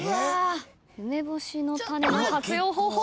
梅干しの種の活用方法。